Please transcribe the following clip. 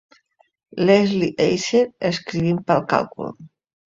Leslie Eiser, escrivint pel càlcul!